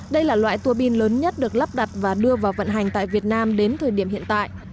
đây là loại tua pin lớn nhất được lắp đặt và đưa vào vận hành tại việt nam đến thời điểm hiện tại